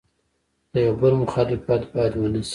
د یو بل مخالفت باید ونسي.